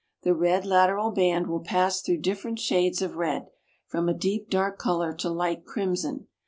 The red lateral band will pass through different shades of red, from a deep dark color to light crimson.